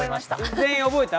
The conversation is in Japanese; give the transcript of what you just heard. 全員覚えた？